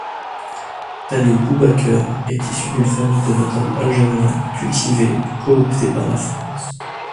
Dalil Boubakeur est issu d'une famille de notables algériens cultivés, cooptés par la France.